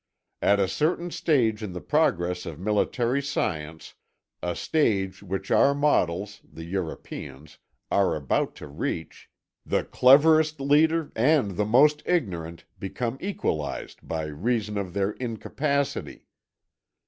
At a certain stage in the progress of military science, a stage which our models, the Europeans, are about to reach, the cleverest leader and the most ignorant become equalized by reason of their incapacity.